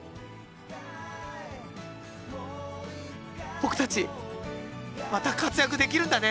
僕たちまた活躍できるんだね！